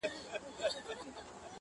o د زړه، زړه ته لار وي.